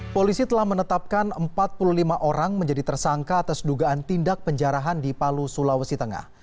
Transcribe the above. polisi telah menetapkan empat puluh lima orang menjadi tersangka atas dugaan tindak penjarahan di palu sulawesi tengah